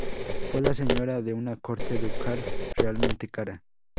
Fue la señora de una corte ducal realmente cara.